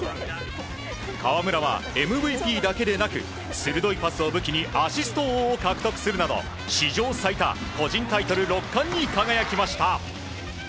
河村はＭＶＰだけでなく鋭いパスを武器にアシスト王を獲得するなど史上最多個人タイトル６冠に輝きました。